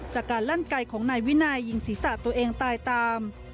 การลั่นไกลของนายวินัยยิงศีรษะตัวเองตายตาม